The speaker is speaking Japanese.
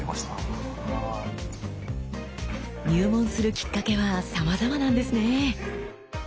入門するきっかけはさまざまなんですね。